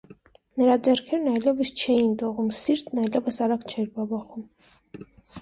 Նրա ձեռքերն այլևս չէին դողում, սիրտն այլևս արագ չէր բաբախում: